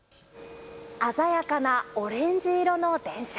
あざやかなオレンジ色の電車。